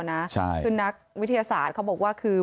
คือนักวิทยาศาสตร์เขาบอกว่าคือ